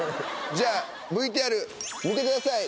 じゃあＶＴＲ見てください